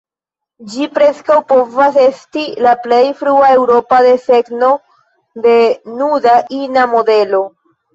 Ĝi ankaŭ povas esti la plej frua eŭropa desegno de nuda ina modelo.